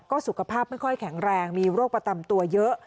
สุขภาพไม่ค่อยแข็งแรงมีโรคประจำตัวเยอะ